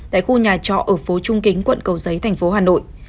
tại khu nhà trọ ở phố trung kính quận cầu giấy tp hà nội